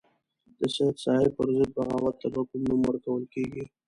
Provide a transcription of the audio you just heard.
د سید صاحب پر ضد بغاوت ته به کوم نوم ورکول کېږي.